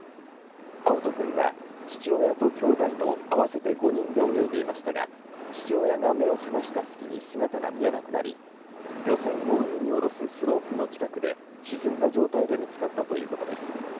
葵斗君は父親と兄弟の合わせて５人で泳いでいましたが父親が目を離した隙に姿が見えなくなり漁船を海に下ろすスロープの近くで沈んだ状態で見つかったということです。